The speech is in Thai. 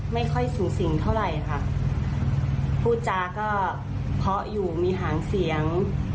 ไม่ค่อยสูงสิงเท่าไหร่ค่ะพูดจาก็ออยู่มีหางเสียง